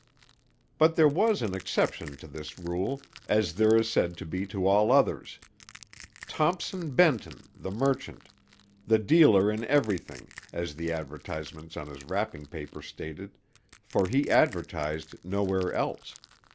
But there was an exception to this rule, as there is said to be to all others, Thompson Benton, the merchant; the dealer in everything, as the advertisements on his wrapping paper stated, for he advertised nowhere else.